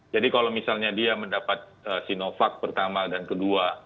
jadi kalau misalnya dia mendapat sinovac pertama dan kedua